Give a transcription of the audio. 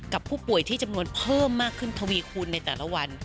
กับผู้ป่วยที่จำนวนเพิ่มมากขึ้นทวีคูณในแต่ละวัน